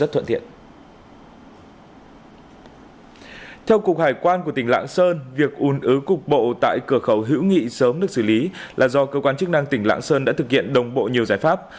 theo cục hải quan của tỉnh lạng sơn việc ùn ứ cục bộ tại cửa khẩu hữu nghị sớm được xử lý là do cơ quan chức năng tỉnh lạng sơn đã thực hiện đồng bộ nhiều giải pháp